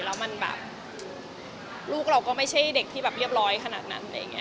แล้วลูกเราก็ไม่ใช่เด็กที่เรียบร้อยขนาดนั้น